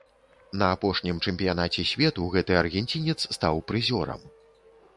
На апошнім чэмпіянаце свету гэты аргенцінец стаў прызёрам.